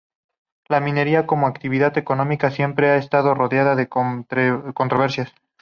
La minería como actividad económica siempre ha estado rodeada de controversias.